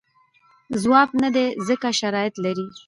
ځواب نه دی ځکه شرایط لري.